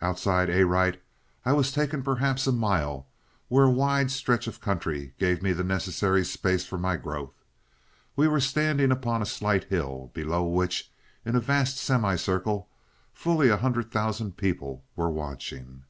"Outside Arite I was taken perhaps a mile, where a wide stretch of country gave me the necessary space for my growth. We were standing upon a slight hill, below which, in a vast semicircle, fully a hundred thousand people were watching.